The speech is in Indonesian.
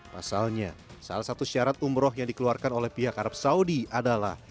pasalnya salah satu syarat umroh yang dikeluarkan oleh pihak arab saudi adalah